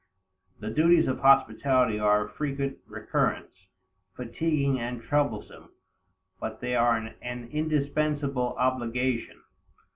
The duties of hospitality are of frequent recurrence, fatiguing and troublesome, but they are an indispensable obligation.